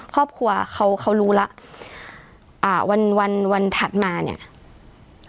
ครอบครัวเขารู้ละวันถัดมาเนี่ย